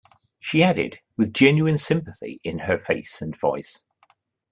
She added, with genuine sympathy in her face and voice.